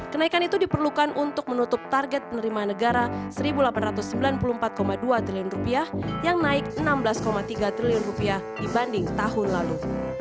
kenaikan itu diperlukan untuk menutup target penerimaan negara rp satu delapan ratus sembilan puluh empat dua triliun yang naik rp enam belas tiga triliun dibanding tahun lalu